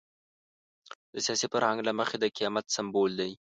د سیاسي فرهنګ له مخې د قیامت سمبول دی.